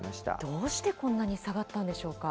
どうしてこんなに下がったんでしょうか？